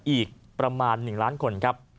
อีกประมาณ๑ล้านคนครับ